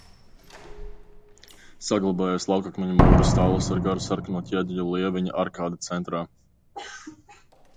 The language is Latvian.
Saglabājies laukakmeņu mūra stallis ar garu sarkano ķieģeļu lieveņa arkādi centrā.